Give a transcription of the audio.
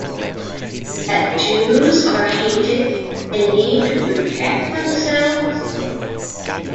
That Jews are hated and need to protect themselves?